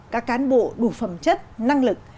các cán bộ đủ phẩm chất năng lực